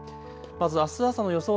まずあす朝の予想